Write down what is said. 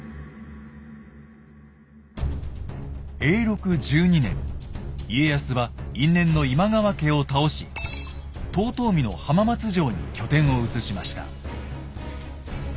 永禄１２年家康は因縁の今川家を倒し遠江の浜松城に拠点を移しました。